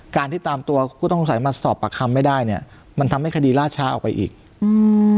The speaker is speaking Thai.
การที่ตามตัวผู้ต้องสงสัยมาสอบปากคำไม่ได้เนี้ยมันทำให้คดีล่าช้าออกไปอีกอืม